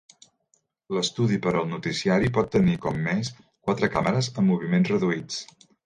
L'estudi per al noticiari pot tenir, com més, quatre càmeres amb moviments reduïts.